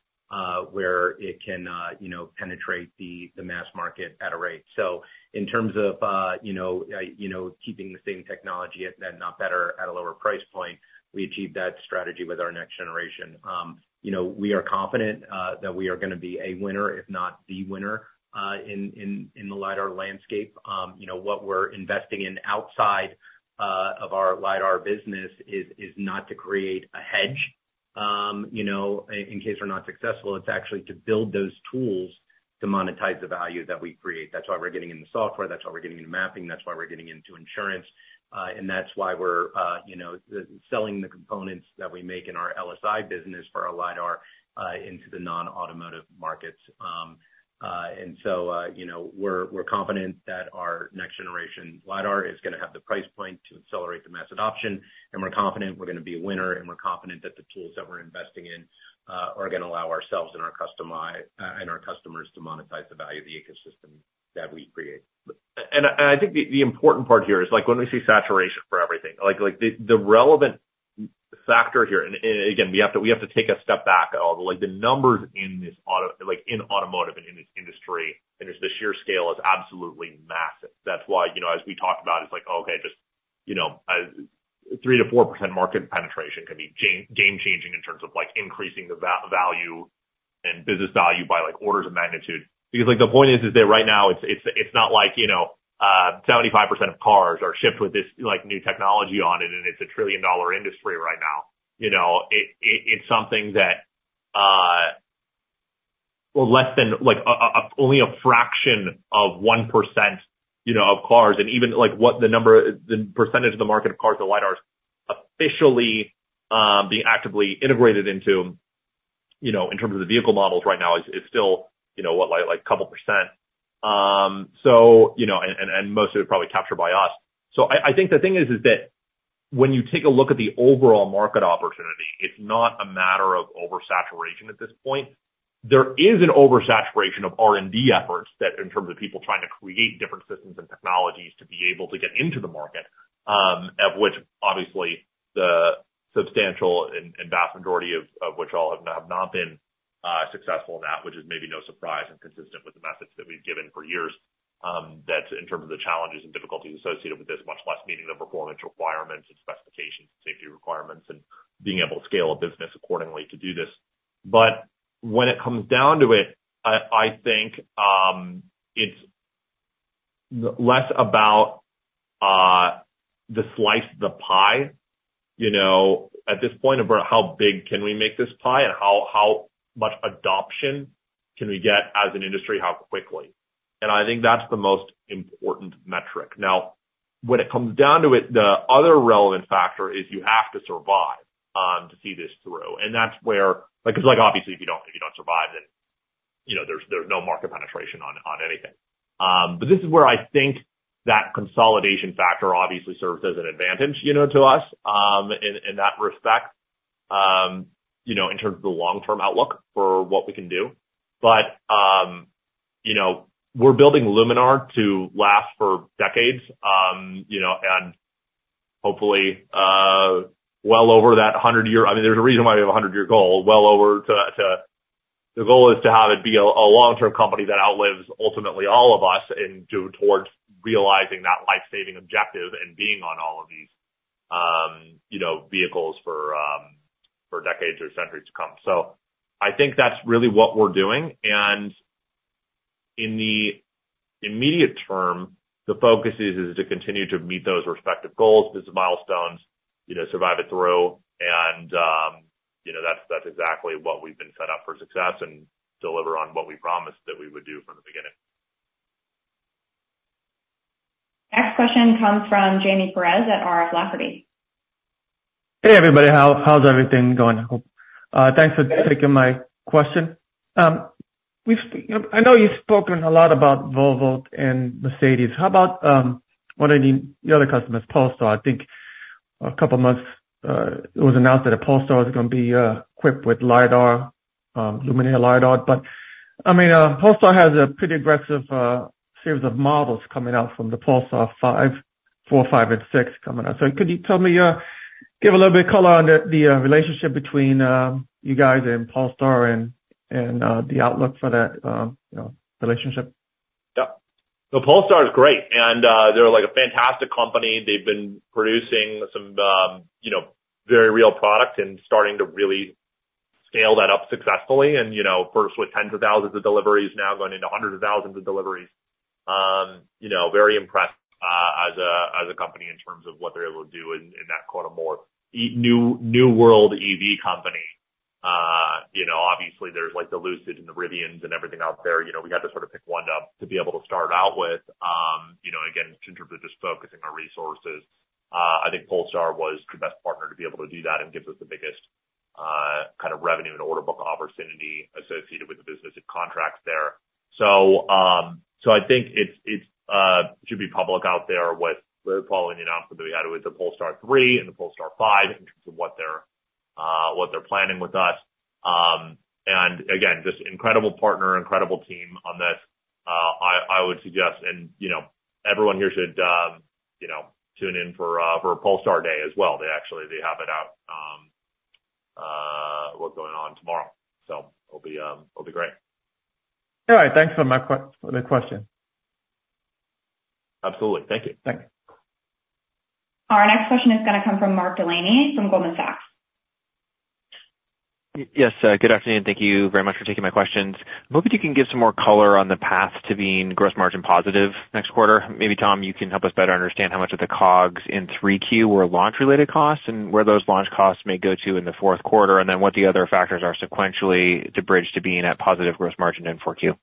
where it can, you know, penetrate the, the mass market at a rate. So in terms of, you know, you know, keeping the same technology and then not better at a lower price point, we achieve that strategy with our next generation. You know, we are confident, that we are gonna be a winner, if not the winner, in, in, in the LiDAR landscape. You know, what we're investing in outside of our LiDAR business is not to create a hedge, you know, in case we're not successful. It's actually to build those tools to monetize the value that we create. That's why we're getting in the software. That's why we're getting into mapping. That's why we're getting into insurance. And that's why we're, you know, selling the components that we make in our LSI business for our LiDAR into the non-automotive markets. And so, you know, we're confident that our next generation LiDAR is gonna have the price point to accelerate the mass adoption, and we're confident we're gonna be a winner. We're confident that the tools that we're investing in are gonna allow ourselves and our customers to monetize the value of the ecosystem that we create. And I think the important part here is, like, when we say saturation for everything, like, the relevant factor here... And again, we have to take a step back, although, like, the numbers in this automotive and in this industry, and just the sheer scale is absolutely massive. That's why, you know, as we talked about, it's like, okay, just, you know, 3%-4% market penetration can be game changing in terms of, like, increasing the value and business value by, like, orders of magnitude. Because, like, the point is that right now it's not like, you know, 75% of cars are shipped with this, like, new technology on it, and it's a $1 trillion industry right now. You know, it's something that, well, less than, like, only a fraction of 1%, you know, of cars and even, like, what the number, the percentage of the market of cars that LiDAR is officially being actively integrated into, you know, in terms of the vehicle models right now, is still, you know, what, like a couple percent. So, you know, and most of it is probably captured by us. So I think the thing is that when you take a look at the overall market opportunity, it's not a matter of oversaturation at this point. There is an oversaturation of R&D efforts that in terms of people trying to create different systems and technologies to be able to get into the market, at which obviously the substantial and vast majority of which all have not been successful in that, which is maybe no surprise and consistent with the methods that we've given for years. That's in terms of the challenges and difficulties associated with this, much less meeting the performance requirements and specifications, safety requirements, and being able to scale a business accordingly to do this. But when it comes down to it, I think it's less about the slice of the pie, you know, at this point, about how big can we make this pie and how much adoption can we get as an industry, how quickly? I think that's the most important metric. Now, when it comes down to it, the other relevant factor is you have to survive, to see this through. And that's where—like, 'cause, like, obviously, if you don't, if you don't survive, then, you know, there's, there's no market penetration on, on anything. But this is where I think that consolidation factor obviously serves as an advantage, you know, to us, in, in that respect, you know, in terms of the long-term outlook for what we can do. But, you know, we're building Luminar to last for decades, you know, and hopefully, well over that 100 year... I mean, there's a reason why we have a 100-year goal. The goal is to have it be a long-term company that outlives ultimately all of us and do towards realizing that life-saving objective and being on all of these, you know, vehicles for decades or centuries to come. So I think that's really what we're doing. In the immediate term, the focus is to continue to meet those respective goals, those milestones, you know, survive it through, and, you know, that's exactly what we've been set up for success and deliver on what we promised that we would do from the beginning. Next question comes from Jaime Perez at R.F. Lafferty. Hey, everybody. How's everything going? Thanks for taking my question. I know you've spoken a lot about Volvo and Mercedes. How about one of the other customers, Polestar? I think a couple of months it was announced that a Polestar was gonna be equipped with LiDAR, Luminar LiDAR. But, I mean, Polestar has a pretty aggressive series of models coming out from the Polestar 5, 4, 5, and 6 coming out. So could you tell me... Give a little bit color on the relationship between you guys and Polestar and the outlook for that, you know, relationship? Yeah. So Polestar is great, and, they're, like, a fantastic company. They've been producing some, you know, very real product and starting to really scale that up successfully. And, you know, first with tens of thousands of deliveries, now going into hundreds of thousands of deliveries. You know, very impressed, as a, as a company in terms of what they're able to do in, in that quote-unquote "new new world EV company." You know, obviously there's, like, the Lucids and the Rivians and everything out there. You know, we had to sort of pick one up to be able to start out with. You know, again, in terms of just focusing our resources, I think Polestar was the best partner to be able to do that and gives us the biggest kind of revenue and order book opportunity associated with the business and contracts there. So, so I think it's, it's, should be public out there with the following announcement that we had with the Polestar 3 and the Polestar 5, in terms of what they're, what they're planning with us. And again, just incredible partner, incredible team on this. I, I would suggest and, you know, everyone here should, you know, tune in for, for Polestar Day as well. They actually, they have it out, what's going on tomorrow. So it'll be, it'll be great. All right, thanks for the question. Absolutely. Thank you. Thank you. Our next question is gonna come from Mark Delaney from Goldman Sachs. Yes, good afternoon. Thank you very much for taking my questions. I'm hoping you can give some more color on the path to being gross margin positive next quarter. Maybe, Tom, you can help us better understand how much of the COGS in 3Q were launch-related costs and where those launch costs may go to in the fourth quarter, and then what the other factors are sequentially to bridge to being at positive gross margin in 4Q.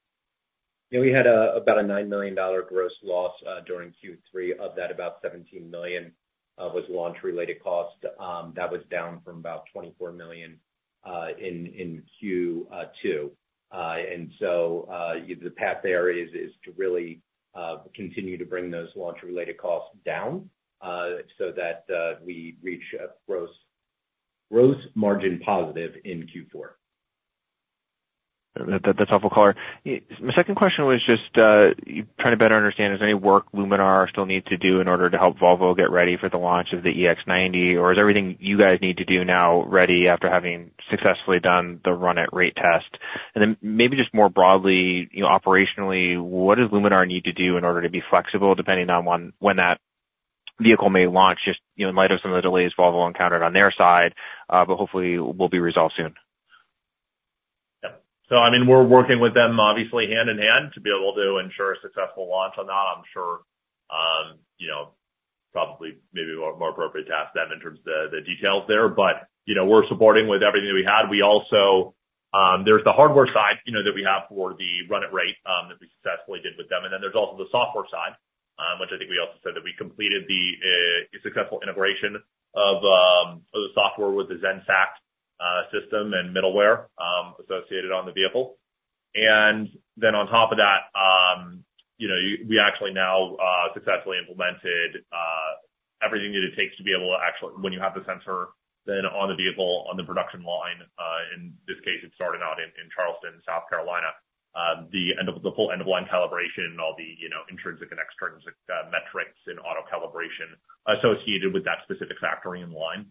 Yeah, we had about a $9 million gross loss during Q3. Of that, about $17 million was launch-related costs. That was down from about $24 million in Q2. And so the path there is to really continue to bring those launch-related costs down so that we reach a gross gross margin positive in Q4. That, that's helpful color. My second question was just trying to better understand, is there any work Luminar still needs to do in order to help Volvo get ready for the launch of the EX90? Or is everything you guys need to do now ready after having successfully done the Run-at-Rate test? And then maybe just more broadly, you know, operationally, what does Luminar need to do in order to be flexible, depending on when that vehicle may launch, just, you know, in light of some of the delays Volvo encountered on their side, but hopefully will be resolved soon? Yeah. So I mean, we're working with them obviously hand in hand to be able to ensure a successful launch on that. I'm sure, you know, probably maybe more appropriate to ask them in terms of the details there, but, you know, we're supporting with everything that we had. We also... There's the hardware side, you know, that we have for the Run-at-Rate, that we successfully did with them, and then there's also the software side, which I think we also said that we completed the successful integration of the software with the Zenseact system and middleware, associated on the vehicle. And then on top of that, you know, you, we actually now successfully implemented everything that it takes to be able to actually, when you have the sensor then on the vehicle, on the production line, in this case, it started out in Charleston, South Carolina. The full end-of-line calibration, all the, you know, intrinsic and extrinsic metrics and auto calibration associated with that specific factory and line,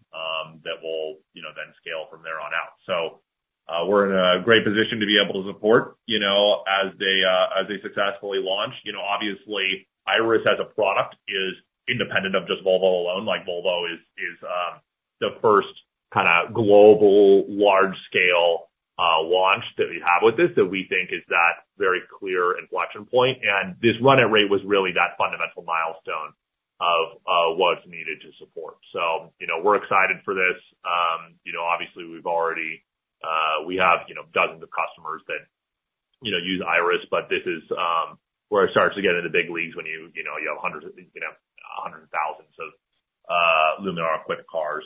that will, you know, then scale from there on out. So, we're in a great position to be able to support, you know, as they, as they successfully launch. You know, obviously, Iris, as a product, is independent of just Volvo alone, like Volvo is the first kind of global large scale launch that we have with this, that we think is that very clear inflection point. And this Run-at-Rate was really that fundamental milestone of what's needed to support. So, you know, we're excited for this. You know, obviously we've already we have, you know, dozens of customers that, you know, use Iris, but this is where it starts to get in the big leagues when you, you know, you have hundreds of, you know, hundreds and thousands of Luminar-equipped cars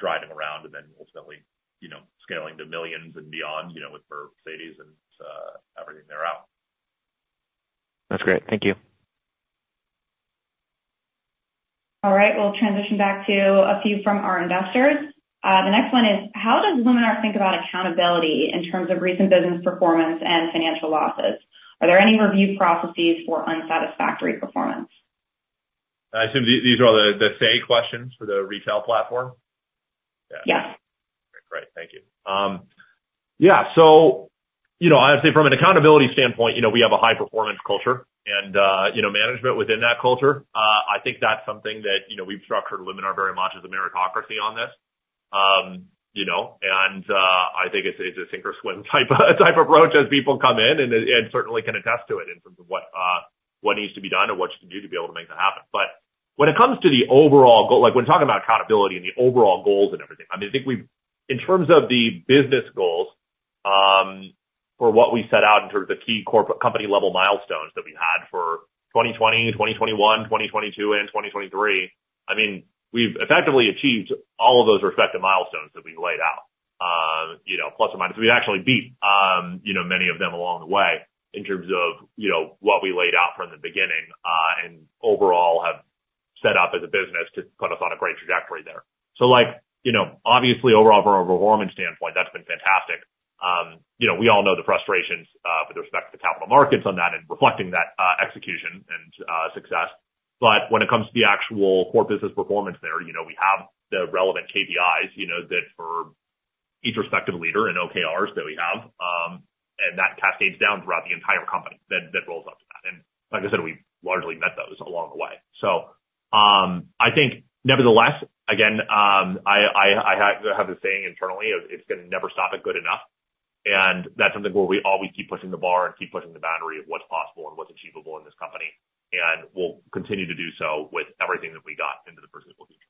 driving around, and then ultimately, you know, scaling to millions and beyond, you know, with for Mercedes and everything they're out. That's great. Thank you. All right, we'll transition back to a few from our investors. The next one is: How does Luminar think about accountability in terms of recent business performance and financial losses? Are there any review processes for unsatisfactory performance? I assume these are the same questions for the retail platform? Yes. Great. Thank you. Yeah, so, you know, I would say from an accountability standpoint, you know, we have a high performance culture and, you know, management within that culture. I think that's something that, you know, we've structured Luminar very much as a meritocracy on this. You know, and, I think it's, it's a sink or swim type of approach as people come in and certainly can attest to it in terms of what what needs to be done or what you should do to be able to make that happen. But when it comes to the overall goal, like, when talking about accountability and the overall goals and everything, I mean, I think we've in terms of the business goals, for what we set out in terms of key corporate company level milestones that we had for 2020, 2021, 2022, and 2023, I mean, we've effectively achieved all of those respective milestones that we've laid out. You know, plus or minus, we actually beat, you know, many of them along the way in terms of, you know, what we laid out from the beginning, and overall have set up as a business to put us on a great trajectory there. So like, you know, obviously overall from a performance standpoint, that's been fantastic. You know, we all know the frustrations with respect to the capital markets on that and reflecting that execution and success. But when it comes to the actual core business performance there, you know, we have the relevant KPIs, you know, that each respective leader in OKRs that we have, and that cascades down throughout the entire company that rolls up to that. And like I said, we've largely met those along the way. So, I think nevertheless, again, I have the saying internally, it's gonna never stop at good enough, and that's something where we always keep pushing the bar and keep pushing the boundary of what's possible and what's achievable in this company, and we'll continue to do so with everything that we got into the foreseeable future.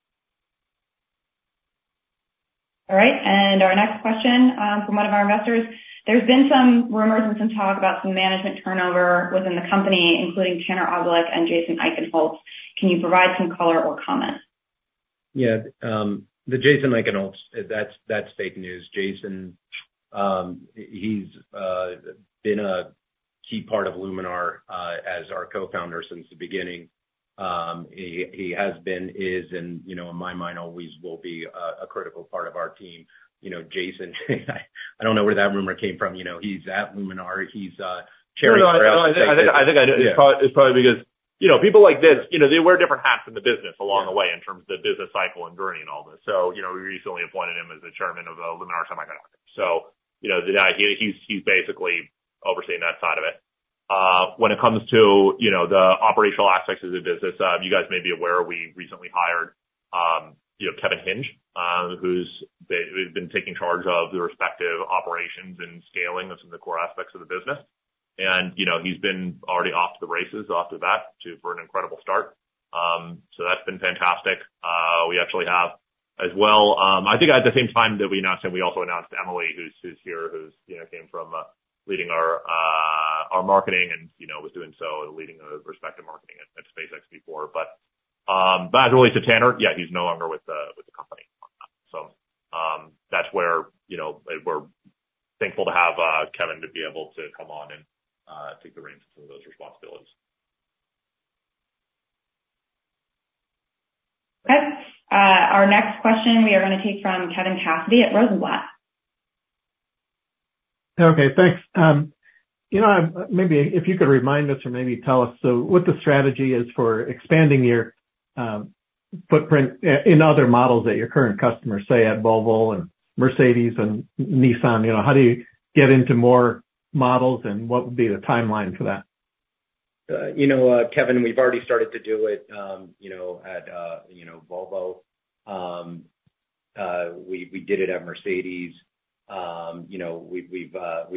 All right, and our next question from one of our investors: There's been some rumors and some talk about some management turnover within the company, including Taner Ozcelik and Jason Eichenholz. Can you provide some color or comment? Yeah, the Jason Eichenholz, that's fake news. Jason, he's been a key part of Luminar as our co-founder since the beginning. He has been, is, and, you know, in my mind, always will be a critical part of our team. You know, Jason, I don't know where that rumor came from. You know, he's at Luminar. He's chair- No, no, I think I know. It's probably because, you know, people like this, you know, they wear different hats in the business along the way, in terms of the business cycle and journey and all this. So, you know, we recently appointed him as the Chairman of the Luminar Semiconductor. So, you know, he, he's basically overseeing that side of it. When it comes to, you know, the operational aspects of the business, you guys may be aware, we recently hired, you know, Kevin Hinz, who's been taking charge of the respective operations and scaling of some of the core aspects of the business. And, you know, he's been already off to the races for an incredible start. So that's been fantastic. We actually have as well, I think at the same time that we announced him, we also announced Emily, who's here, who you know came from leading our marketing and, you know, was doing so leading the respective marketing at SpaceX before. But as it relates to Taner, yeah, he's no longer with the company. So, that's where, you know, we're thankful to have Kevin to be able to come on and take the reins of some of those responsibilities. Okay. Our next question we are gonna take from Kevin Cassidy at Rosenblatt. Okay, thanks. You know, maybe if you could remind us or maybe tell us, so what the strategy is for expanding your footprint in other models that your current customers say at Volvo and Mercedes and Nissan, you know, how do you get into more models, and what would be the timeline for that? You know, Kevin, we've already started to do it, you know, at you know Volvo. We did it at Mercedes. You know, we've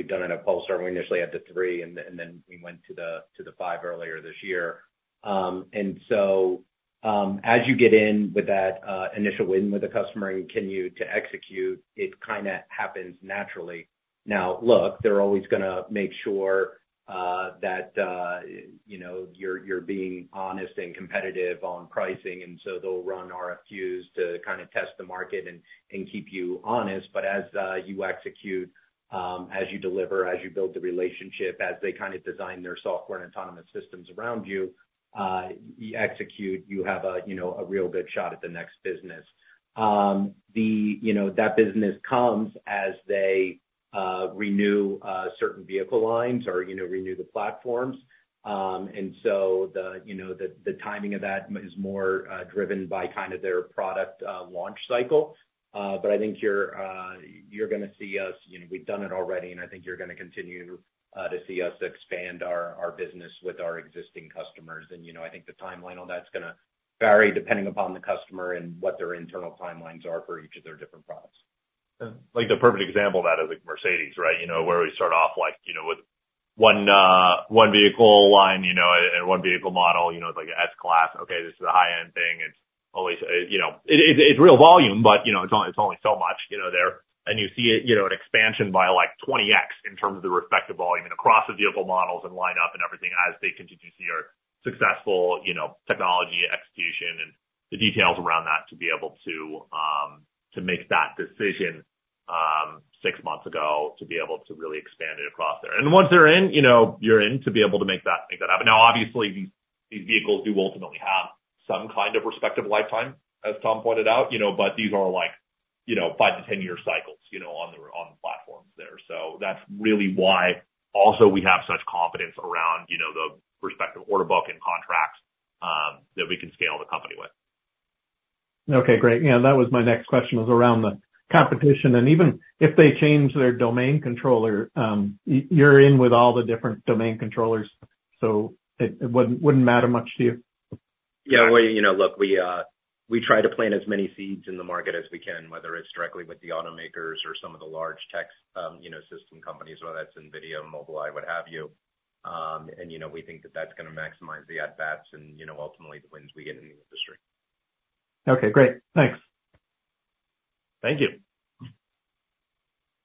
done it at Volvo, we initially had the three, and then we went to the five earlier this year. And so, as you get in with that initial win with the customer and continue to execute, it kind of happens naturally. Now, look, they're always gonna make sure that you know, you're being honest and competitive on pricing, and so they'll run RFQs to kind of test the market and keep you honest. But as you execute, as you deliver, as you build the relationship, as they kind of design their software and autonomous systems around you, you execute, you have a, you know, a real good shot at the next business. The, you know, that business comes as they renew certain vehicle lines or, you know, renew the platforms. And so the, you know, the timing of that is more driven by kind of their product launch cycle. But I think you're gonna see us, you know, we've done it already, and I think you're gonna continue to see us expand our business with our existing customers. And, you know, I think the timeline on that's gonna vary depending upon the customer and what their internal timelines are for each of their different products. Yeah, like, the perfect example of that is, like, Mercedes, right? You know, where we start off, like, you know, with one, one vehicle line, you know, and one vehicle model, you know, it's like an S-Class. Okay, this is a high-end thing, it's always, you know, it, it's real volume, but, you know, it's only, it's only so much, you know, there. And you see it, you know, an expansion by, like, 20x in terms of the respective volume and across the vehicle models and lineup and everything as they continue to see our successful, you know, technology execution and the details around that, to be able to, to make that decision, six months ago, to be able to really expand it across there. And once they're in, you know, you're in to be able to make that, make that happen. Now, obviously, these vehicles do ultimately have some kind of respective lifetime, as Tom pointed out, you know, but these are like, you know, five-10-year cycles, you know, on the platforms there. So that's really why also we have such confidence around, you know, the respective order book and contracts, that we can scale the company with. Okay, great. Yeah, that was my next question, was around the competition, and even if they change their domain controller, you're in with all the different domain controllers, so it wouldn't matter much to you? Yeah, well, you know, look, we, we try to plant as many seeds in the market as we can, whether it's directly with the automakers or some of the large tech, you know, system companies, whether that's NVIDIA, Mobileye, what have you. And, you know, we think that that's gonna maximize the at bats and, you know, ultimately, the wins we get in the industry. Okay, great. Thanks. Thank you.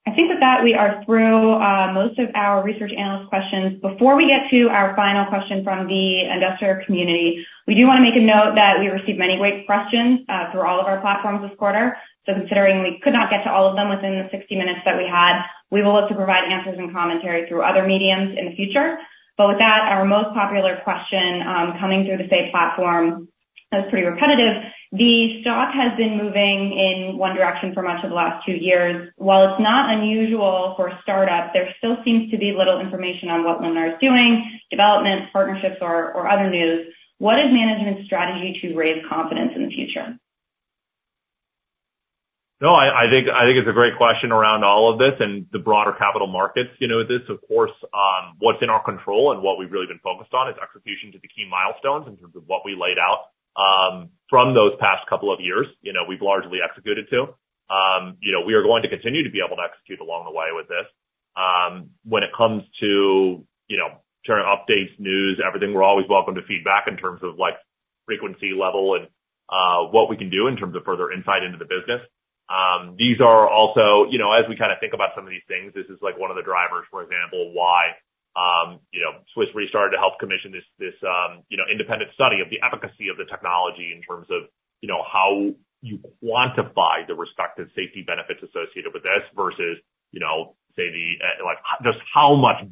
I think with that, we are through most of our research analyst questions. Before we get to our final question from the investor community, we do wanna make a note that we received many great questions through all of our platforms this quarter. So considering we could not get to all of them within the 60 minutes that we had, we will look to provide answers and commentary through other mediums in the future. But with that, our most popular question coming through the Say platform that's pretty repetitive: The stock has been moving in one direction for much of the last two years. While it's not unusual for a startup, there still seems to be little information on what Luminar is doing, developments, partnerships, or other news. What is management's strategy to raise confidence in the future?... No, I think it's a great question around all of this and the broader capital markets. You know, this, of course, what's in our control and what we've really been focused on is execution to the key milestones in terms of what we laid out. From those past couple of years, you know, we've largely executed to. You know, we are going to continue to be able to execute along the way with this. When it comes to, you know, current updates, news, everything, we're always welcome to feedback in terms of, like, frequency level and what we can do in terms of further insight into the business. These are also. You know, as we kind of think about some of these things, this is, like, one of the drivers, for example, why, you know, Swiss Re started to help commission this, you know, independent study of the efficacy of the technology in terms of, you know, how you quantify the respective safety benefits associated with this versus, you know, say, the, like, just how much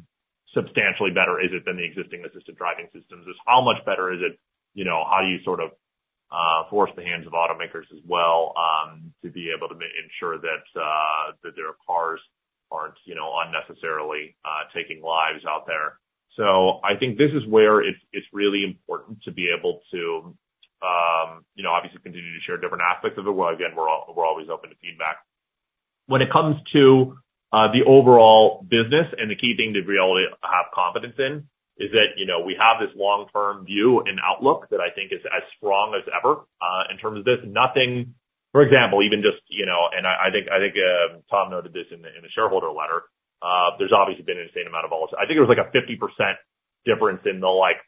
substantially better is it than the existing assistive driving systems? Just how much better is it? You know, how do you sort of force the hands of automakers as well, to be able to ensure that their cars aren't, you know, unnecessarily taking lives out there. So I think this is where it's really important to be able to, you know, obviously continue to share different aspects of it, where, again, we're always open to feedback. When it comes to, the overall business and the key thing that we really have confidence in, is that, you know, we have this long-term view and outlook that I think is as strong as ever. In terms of this, nothing. For example, even just, you know, and I think, Tom noted this in the, in the shareholder letter, there's obviously been an insane amount of volatility. I think it was, like, a 50% difference in the, like,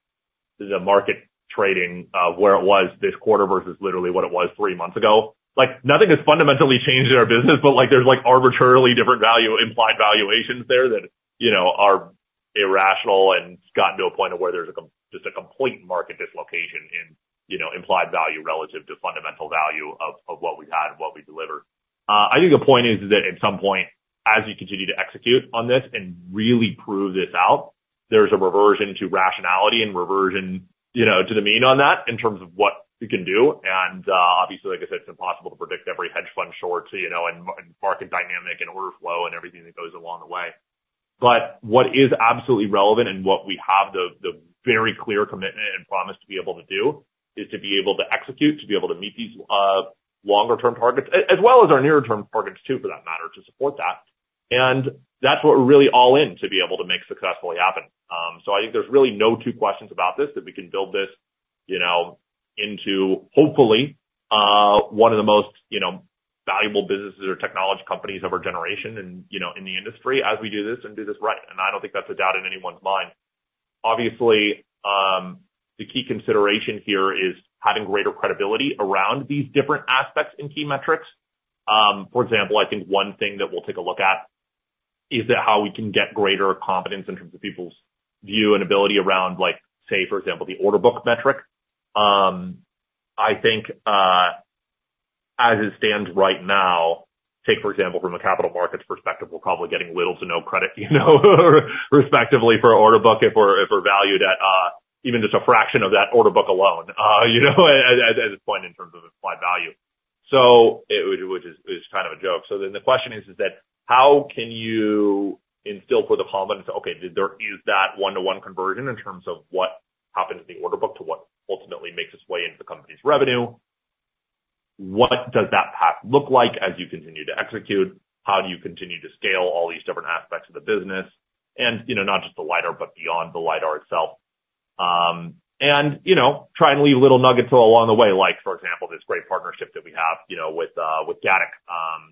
the market trading, where it was this quarter versus literally what it was three months ago. Like, nothing has fundamentally changed in our business, but, like, there's, like, arbitrarily different value, implied valuations there that, you know, are irrational, and it's gotten to a point of where there's just a complete market dislocation in, you know, implied value relative to fundamental value of what we had and what we delivered. I think the point is that at some point, as you continue to execute on this and really prove this out, there's a reversion to rationality and reversion, you know, to the mean on that in terms of what you can do. Obviously, like I said, it's impossible to predict every hedge fund short, so you know, and market dynamic and order flow, and everything that goes along the way. But what is absolutely relevant and what we have the very clear commitment and promise to be able to do, is to be able to execute, to be able to meet these longer term targets, as well as our nearer term targets, too, for that matter, to support that. And that's what we're really all in to be able to make successfully happen. So I think there's really no two questions about this, that we can build this, you know, into, hopefully, one of the most, you know, valuable businesses or technology companies of our generation and, you know, in the industry as we do this and do this right, and I don't think that's a doubt in anyone's mind. Obviously, the key consideration here is having greater credibility around these different aspects and key metrics. For example, I think one thing that we'll take a look at is that how we can get greater confidence in terms of people's view and ability around, like, say, for example, the order book metric. I think, as it stands right now, take, for example, from a capital markets perspective, we're probably getting little to no credit, you know, respectively for our order book, if we're, if we're valued at, even just a fraction of that order book alone, you know, at this point, in terms of implied value. So it, which is, is kind of a joke. So then the question is, is that how can you instill further confidence? Use that one-to-one conversion in terms of what happens in the order book to what ultimately makes its way into the company's revenue? What does that path look like as you continue to execute? How do you continue to scale all these different aspects of the business? And, you know, not just the LiDAR, but beyond the LiDAR itself. And, you know, try and leave little nuggets all along the way, like, for example, this great partnership that we have, you know, with Gatik,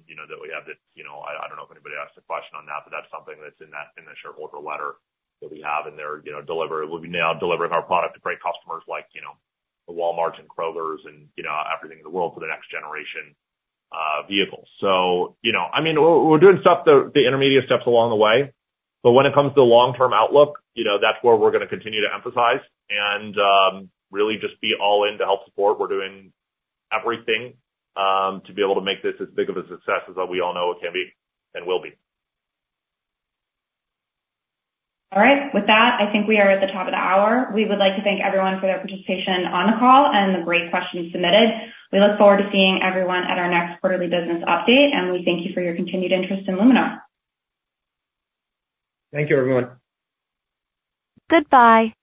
you know, that we have that, you know, I, I don't know if anybody asked a question on that, but that's something that's in that, in the shareholder letter that we have in there. You know, we'll be now delivering our product to great customers like, you know, the Walmarts and Krogers and, you know, everything in the world for the next generation vehicles. So, you know, I mean, we're doing stuff, the intermediate steps along the way, but when it comes to long-term outlook, you know, that's where we're gonna continue to emphasize and really just be all in to help support. We're doing everything to be able to make this as big of a success as we all know it can be and will be. All right. With that, I think we are at the top of the hour. We would like to thank everyone for their participation on the call and the great questions submitted. We look forward to seeing everyone at our next quarterly business update, and we thank you for your continued interest in Luminar. Thank you, everyone. Goodbye.